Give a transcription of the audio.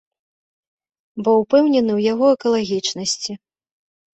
Бо ўпэўнены ў яго экалагічнасці.